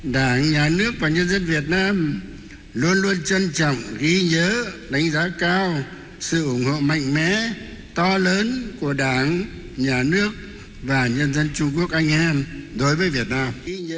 đảng nhà nước và nhân dân việt nam luôn luôn trân trọng ghi nhớ đánh giá cao sự ủng hộ mạnh mẽ to lớn của đảng nhà nước và nhân dân trung quốc anh em đối với việt nam